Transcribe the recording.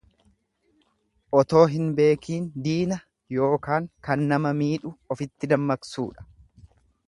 Otoo hin beekiin diina ykn kan nama miidhu ofitti dammaqsuudha.